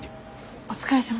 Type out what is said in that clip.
お疲れさま。